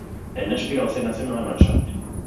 Länderspiel aus der Nationalmannschaft.